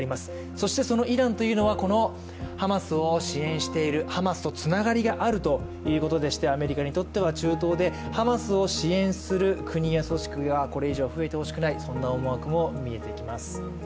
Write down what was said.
そしてそのイランというのはこのハマスを支援している、ハマスとつながりがあるということでしてアメリカにとっては中東でハマスを支援する国や組織がこれ以上増えてほしくない、そんな思惑も見えてきます。